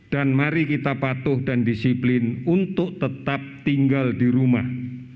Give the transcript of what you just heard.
dan mari kita patuh dan disiplin untuk tetap tinggal di rumah